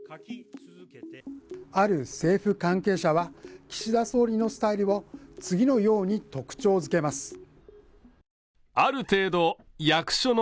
ある政府関係者は、岸田総理のスタイルを次のように特徴づけます。